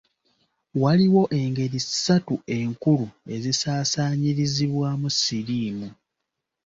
Waliwo engeri ssatu enkulu ezisaasaanyirizibwamu siriimu.